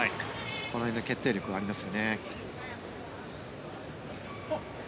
この辺の決定力がありますよね。